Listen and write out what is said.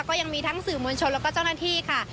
ก็ยังมีทั้งสื่อมวลชนแล้วก็เจ้าหน้าที่ค่ะ